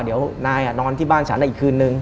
เดี๋ยวนายนอนที่บ้านฉันอีกคืนนึง